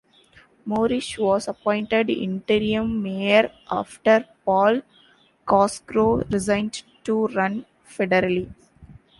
Morrish was appointed interim mayor after Paul Cosgrove resigned to run federally.